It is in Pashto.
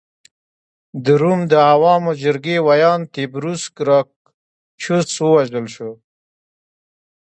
د روم د عوامو جرګې ویاند تیبریوس ګراکچوس ووژل شو